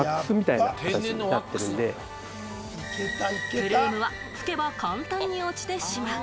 プルームは拭けば、簡単に落ちてしまう。